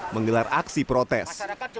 menggelar aksi protes